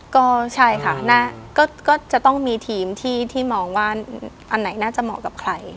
ก็ใช่ค่ะก็จะต้องมีทีมที่มองว่าอันไหนน่าจะเหมาะกับใคร